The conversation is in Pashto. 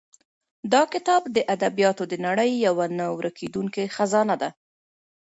دا کتاب د ادبیاتو د نړۍ یوه نه ورکېدونکې خزانه ده.